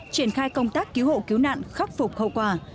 triển khai công tác cứu hộ cứu nạn khắc phục hậu quả